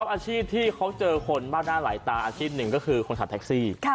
อาชีพที่เขาเจอคนบ้านด้านไหล่ตาอาชีพหนึ่งก็คือคนถัดแทคซี่